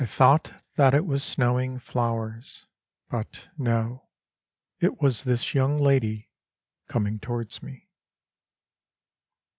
THOUGHT that it was snowing Flowers. But, no. It was this young lady Coming towards me.